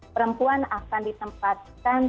perempuan akan ditempatkan